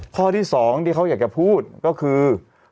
ข้อที่๒ที่เขาอยากจะพูดก็คือ